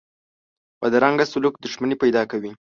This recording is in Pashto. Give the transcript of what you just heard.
بدرنګه سلوک دښمني پیدا کوي